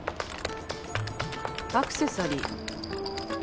アクセサリー。